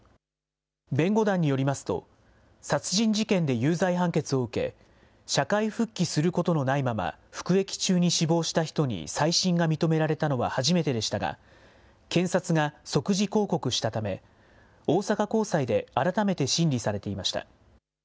弁護団によりますと、殺人事件で有罪判決を受け、社会復帰することのないまま服役中に死亡した人に再審が認められたのは初めてでしたが、検察が即時抗告したため、大阪高裁で改めて審理されていました。